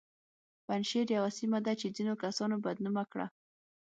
پنجشیر یوه سیمه ده چې ځینو کسانو بد نومه کړه